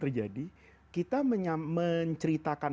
terjadi kita menceritakan